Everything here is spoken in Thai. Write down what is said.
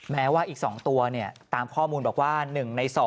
แม้ว่าอีก๒ตัวตามข้อมูลบอกว่า๑ใน๒